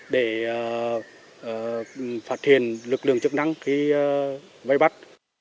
để phạt thiền lực lượng chức năng khi vây bắt